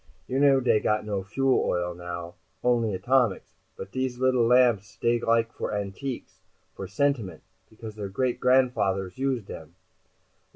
You know dey got no fuel oil now, only atomics, but dese little lamps dey like for antiques, for sentiment, because their great grandfathers used dem.